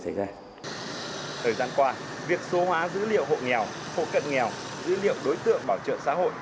thời gian qua việc số hóa dữ liệu hộ nghèo hộ cận nghèo dữ liệu đối tượng bảo trợ xã hội